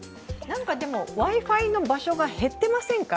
何かＷｉ−Ｆｉの場所が減っていませんか？